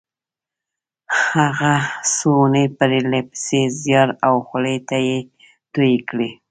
هغه څو اونۍ پرله پسې زيار او خولې تويې کړې.